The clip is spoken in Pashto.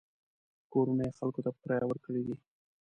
کورونه یې خلکو ته په کرایه ورکړي دي.